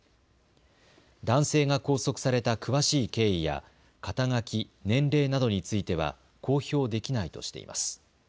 男性が拘束された詳しい経緯や肩書、年齢などについては公表できないとしています。